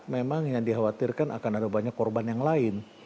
memang yang dikhawatirkan akan ada banyak korban yang lain